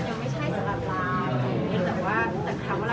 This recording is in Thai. แต่กะเท้ามาแล้วก็ไม่มันก็ยังรักกันแหละ